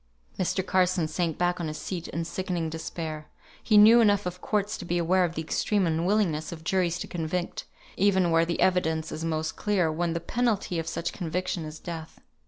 Mr. Carson sank back on his seat in sickening despair. He knew enough of courts to be aware of the extreme unwillingness of juries to convict, even where the evidence is most clear, when the penalty of such conviction is death.